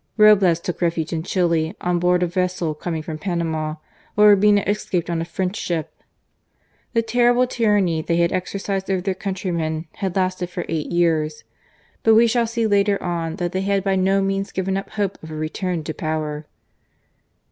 Roblez took refuge in Chili on board a vessel coming from Panama, while Urbina escaped on a French ship. The terrible tyranny they had exercised over their countrymen had lasted for eight years, but we shall see later on that they had by no means given up hopes of a return to power.